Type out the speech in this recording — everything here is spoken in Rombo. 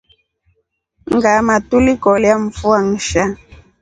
Ngʼaama tulikolya mvua nsha.